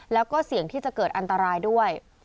แล้วก็เสี่ยงที่จะเกิดอันตรายด้วย